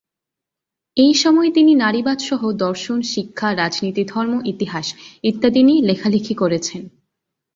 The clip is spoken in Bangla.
এই সময়ে তিনি নারীবাদ সহ দর্শন, শিক্ষা, রাজনীতি, ধর্ম, ইতিহাস, ইত্যাদি নিয়ে লেখালেখি করেছেন।